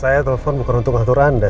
saya telepon bukan untuk mengatur anda